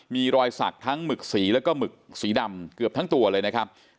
มีรอยสักทั้งหมึกสีแล้วก็หมึกสีดำเกือบทั้งตัวเลยนะครับ